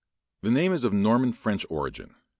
The name is of Norman French origin.